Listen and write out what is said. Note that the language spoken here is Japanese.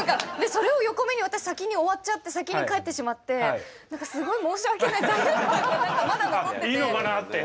それを横目に私先に終わっちゃって先に帰ってしまって何かすごい申し訳ない罪悪感が何かまだ残ってて。